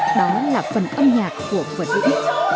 đó là phần âm nhạc của vật ứng